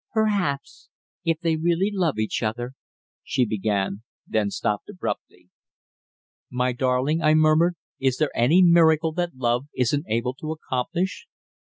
"Perhaps, if they really love each other " she began, then stopped abruptly. "My darling," I murmured, "is there any miracle that love isn't able to accomplish?